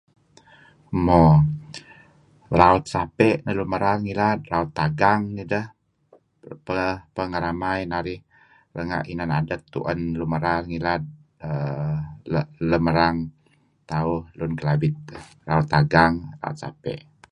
Mo. Raut sape' neh lun merar ngilad, raut pagang nideh peh ngeramai narih renga' inan adet tu'en lun merar ngilad err lem erang tauh lun Kelabit , raut pagang, raut sape'.